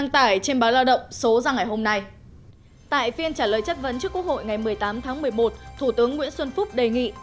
tại phiên trả lời chất vấn trước quốc hội ngày một mươi tám tháng một mươi một thủ tướng nguyễn xuân phúc đề nghị